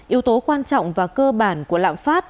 yếu tố quan trọng và cơ bản của lạm phát